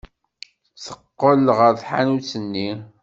Teqqel ɣer tḥanut-nni.